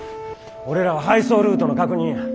俺らは配送ルートの確認や。